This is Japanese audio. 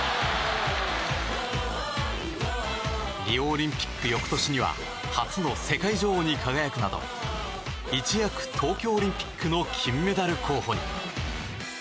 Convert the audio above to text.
リオオリンピック翌年には初の世界女王に輝くなど一躍、東京オリンピックの金メダル候補に。